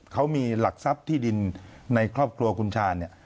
เขามีหลักทรัพย์ที่ดินในครอบครัวคุณชาเนี่ย